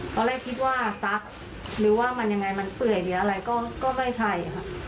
ตอนแรกคิดว่าซักหรือว่ามันยังไงมันเปื่อยหรืออะไรก็ไม่ใช่ค่ะ